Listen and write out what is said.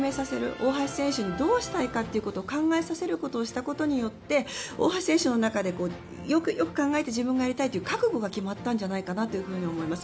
大橋選手にどうしたいかということを考えさせることをしたことによって大橋選手の中で、よくよく考えて自分がやりたいという覚悟が決まったんじゃないかと思います。